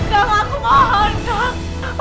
kak aku mohon kak